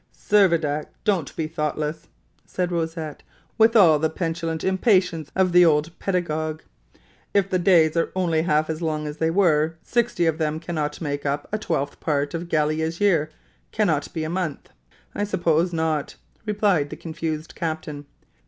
"Servadac, don't be thoughtless!" cried Rosette, with all the petulant impatience of the old pedagogue. "If the days are only half as long as they were, sixty of them cannot make up a twelfth part of Gallia's year cannot be a month." "I suppose not," replied the confused captain.